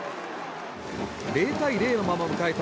０対０のまま迎えた